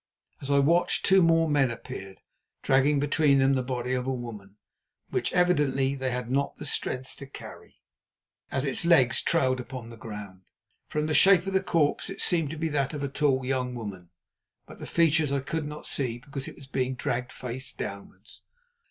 As I watched two more men appeared, dragging between them the body of a woman, which evidently they had not strength to carry, as its legs trailed upon the ground. From the shape of the corpse it seemed to be that of a tall young woman, but the features I could not see, because it was being dragged face downwards.